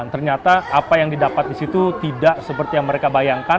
ternyata apa yang didapat di situ tidak seperti yang mereka bayangkan